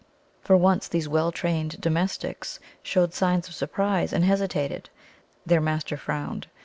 For once these well trained domestics showed signs of surprise, and hesitated. Their master frowned.